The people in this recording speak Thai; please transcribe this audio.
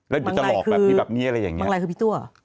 แล้วเขานึกว่าจะหลบหัวหลายที่แบบนี้อะไรอย่างเงี้ยบางรายคือพี่ตู้เหรอ